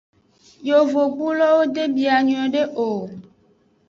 Yovogbulo de bia nyuiede o.